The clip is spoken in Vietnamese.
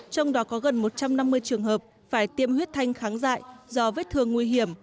trong đó có gần một trăm năm mươi trường hợp phải tiêm huyết thanh kháng dại do vết thương nguy hiểm